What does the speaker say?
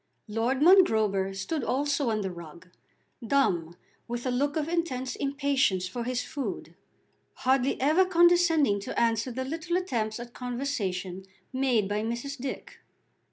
Lord Mongrober stood also on the rug, dumb, with a look of intense impatience for his food, hardly ever condescending to answer the little attempts at conversation made by Mrs. Dick.